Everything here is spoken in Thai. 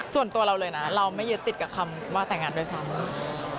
ส่วนตัวเราเลยนะเราไม่ยึดติดกับคำว่าแต่งงานด้วยซ้ำ